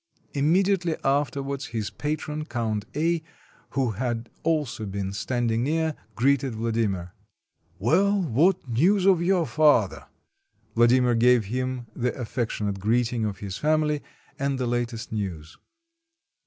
Immediately afterwards, his patron, Count A., who had also been standing near, greeted Vladimir, — ''Well, what news of your father?" Vladimir gave him the affectionate greeting of his family, and the latest news.